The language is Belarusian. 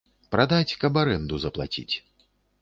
Прадаць, каб арэнду заплаціць.